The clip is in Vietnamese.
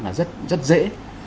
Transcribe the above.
là rất dễ